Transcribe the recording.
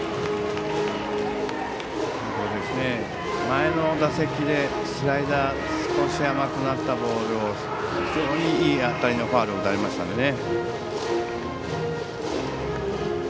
前の打席でスライダー少し甘くなったボールを非常にいい当たりのファウルを打たれましたのでね。